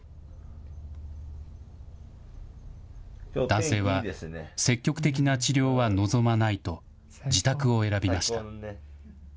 男性は、積極的な治療は望まないと自宅を選びました。